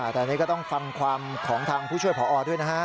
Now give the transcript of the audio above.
แต่อันนี้ก็ต้องฟังความของทางผู้ช่วยพอด้วยนะฮะ